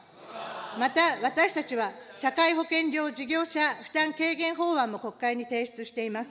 また、私たちは社会保険料・事業者負担軽減法案も国会に提出しています。